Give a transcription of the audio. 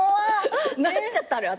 なっちゃったのよ